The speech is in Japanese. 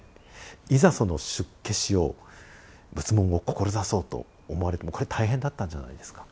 いざその出家しよう仏門を志そうと思われてもこれ大変だったんじゃないですか？